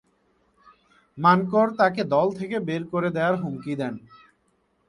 মানকড় তাকে দল থেকে বের করে দেয়ার হুমকি দেন।